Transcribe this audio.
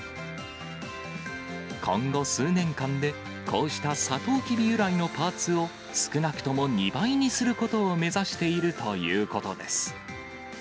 今後数年間で、こうしたサトウキビ由来のパーツを少なくとも２倍にすることを目指しているということです。